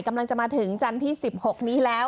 กำลังจะมาถึงจันทร์ที่๑๖นี้แล้ว